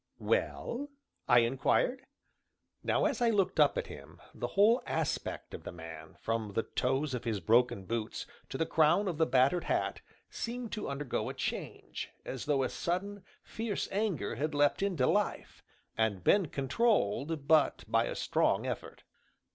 "Well?" I inquired. Now as I looked up at him, the whole aspect of the man, from the toes of his broken boots to the crown of the battered hat, seemed to undergo a change, as though a sudden, fierce anger had leapt into life, and been controlled, but by a strong effort.